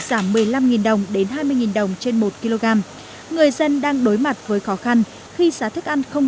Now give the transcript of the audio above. giảm một mươi năm đồng đến hai mươi đồng trên một kg người dân đang đối mặt với khó khăn khi giá thức ăn không